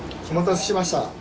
お待たせしました。